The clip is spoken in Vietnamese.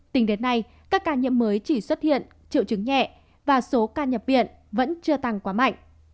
tính đến nay các ca nhiễm mới chỉ xuất hiện triệu chứng nhẹ và số ca nhập viện vẫn chưa tăng quá mạnh